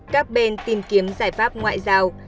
các bên tìm kiếm giải pháp ngoại giao